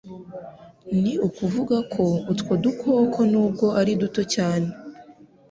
ni ukuvuga ko utwo dukoko n’ubwo ari duto cyane